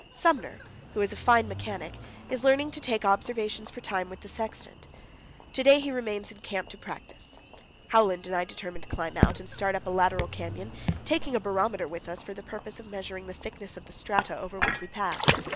Sumner, who is a fine mechanic, is learning to take observations for time with the sextant. To day he remains in camp to practice. Howland and I determine to climb out, and start up a lateral canyon, taking a barometer with us for the purpose of measuring the thickness 192 CANYONS OF THE COLORADO. of the strata over which we pass.